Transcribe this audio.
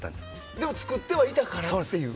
でも造ってはいたからという。